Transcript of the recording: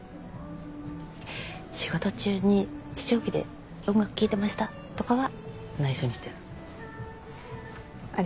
仕事中に試聴機で音楽聴いてましたとかは内緒にしてある。